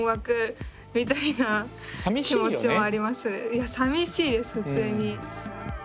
いやさみしいです普通に。